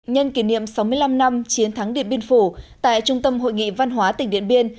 nhân kỷ niệm sáu mươi năm năm chiến thắng điện biên phủ tại trung tâm hội nghị văn hóa tỉnh điện biên